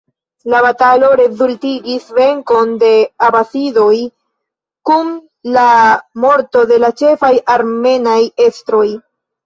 La batalo rezultigis venkon de abasidoj, kun la morto de la ĉefaj armenaj estroj.